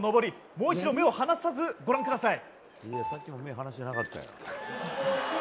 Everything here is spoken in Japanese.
もう一度目を離さずご覧ください。